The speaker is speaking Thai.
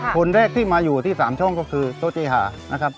คนแรกที่มาอยู่ที่๓ช่องก็คือโชเจหานะครับ